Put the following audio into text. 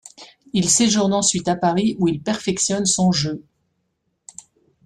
Il séjourne ensuite à Paris où il perfectionne son jeu.